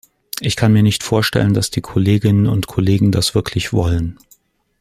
Ich kann mir nicht vorstellen, dass die Kolleginnen und Kollegen das wirklich wollen.